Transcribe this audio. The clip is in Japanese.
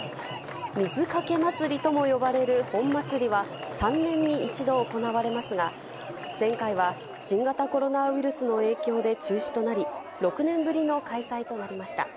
水かけ祭りとも呼ばれる本祭りは３年に一度行われますが、前回は新型コロナウイルスの影響で中止となり、６年ぶりの開催となりました。